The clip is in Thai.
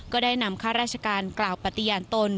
ก็ได้นำข้าราชการกล่าวปฏิญาณตน